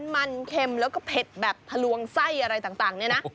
มันเค็มแล้วก็เผ็ดแบบทะลวงไส้อะไรต่างเนี่ยนะ